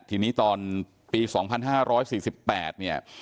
ทีนี้ตอนปี๒๕๔๘เนี่ย